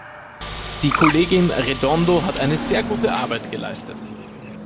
Die Kollegin Redondo hat eine sehr gute Arbeit geleistet.